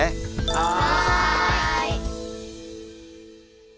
はい！